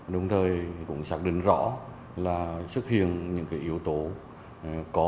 đồng thời cũng xác định rõ là xuất hiện những yếu tố có